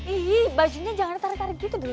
ih bajunya jangan tarik tarik gitu dulu